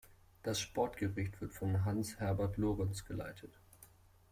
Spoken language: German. Das Sportgericht wird von Hans Eberhard Lorenz geleitet.